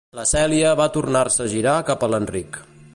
La Cèlia va tornar-se a girar cap a l'Enric.